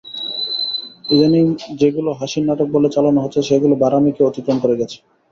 ইদানীং যেগুলো হাসির নাটক বলে চালানো হচ্ছে, সেগুলো ভাঁড়ামিকেও অতিক্রম করে গেছে।